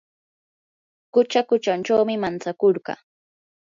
qucha kuchunchawmi mantsakurqaa.